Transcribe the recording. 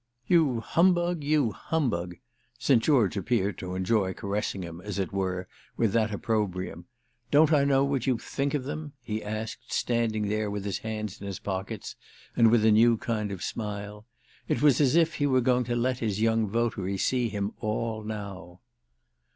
"You humbug, you humbug!"—St. George appeared to enjoy caressing him, as it were, with that opprobrium. "Don't I know what you think of them?" he asked, standing there with his hands in his pockets and with a new kind of smile. It was as if he were going to let his young votary see him all now.